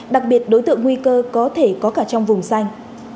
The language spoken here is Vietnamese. đặc biệt đối tượng nguy cơ có thể có cả trong vùng xanh